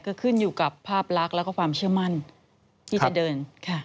ก็ขึ้นอยู่กับภาพลักษณ์แล้วก็ความเชื่อมั่นที่จะเดิน